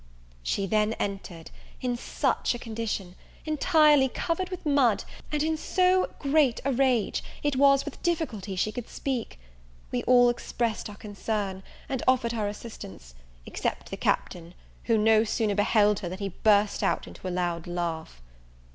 She then entered, in such a condition! entirely covered with mud, and in so great a rage, it was with difficulty she could speak. We all expressed our concern, and offered our assistance except the Captain, who no sooner beheld her than he burst out into a loud laugh.